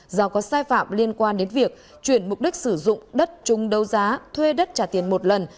do có sai phạm liên quan đến việc chuyển mục đích sử dụng đất chung đấu giá thuê đất trả tiền một lần